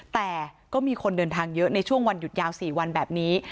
แต่ก็มีคนเดินทางเยอะในช่วงวันหยุดยาว๔วันแบบนี้